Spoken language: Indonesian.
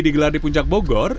digelar di puncak bogor